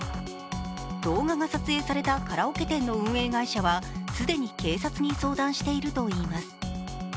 動画が撮影されたカラオケ店の運営会社は既に警察に相談しているといいます。